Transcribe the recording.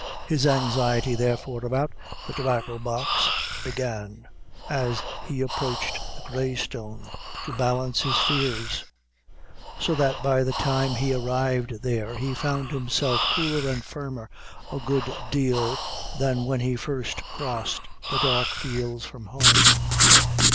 His anxiety therefore, about the Tobacco box began, as he approached the Grey Stone, to balance his fears; so that by the time he arrived there, he found himself cooler and firmer a good deal than when he first crossed the dark fields from home.